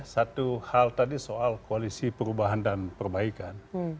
satu hal tadi soal koalisi perubahan dan perbaikan